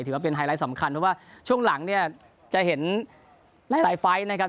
ไฮไลท์สำคัญเพราะว่าช่วงหลังเนี่ยจะเห็นหลายไฟล์นะครับ